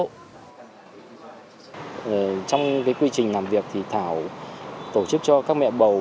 trong quy trình làm việc thì thảo tổ chức cho các mẹ bầu